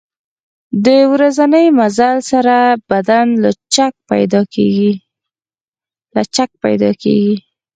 د ورځني مزل سره بدن لچک پیدا کېږي.